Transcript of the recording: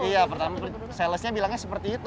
iya pertama salesnya bilangnya seperti itu